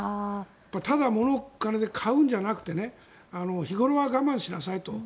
ただ物をお金で買うんじゃなくて日頃は我慢しなさいと。